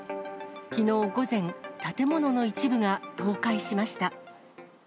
きのう午前、建物の一部が倒壊しました。